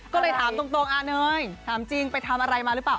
ก็เลยถามตรงอาเนยถามจริงไปทำอะไรมาหรือเปล่า